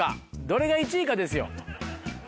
どれが１位かですよ。